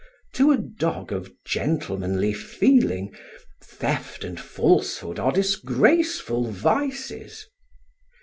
To a dog of gentlemanly feeling theft and falsehood are disgraceful vices.